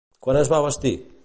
Quan es va bastir?